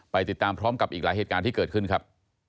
ไปติดตามที่อีกหลายเหตุการณ์ที่เกิดขึ้นครับ